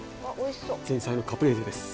前菜のカプレーゼです。